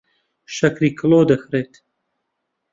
شەکری کڵۆ دەکڕێت.